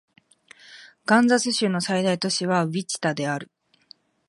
カンザス州の最大都市はウィチタである